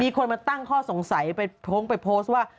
มีคนมาตั้งข้อสงสัยไปโพสต์ว่า